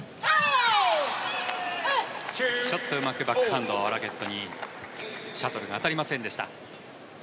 ちょっと、うまくバックハンドはラケットにシャトルが当たりませんでした。